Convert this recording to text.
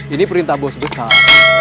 ini perintah bos besar